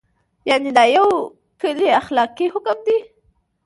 یعنې دا یو کلی اخلاقي حکم دی.